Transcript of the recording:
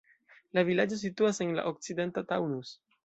La vilaĝo situas en la okcidenta Taunus.